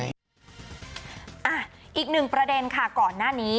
อีกหนึ่งประเด็นค่ะก่อนหน้านี้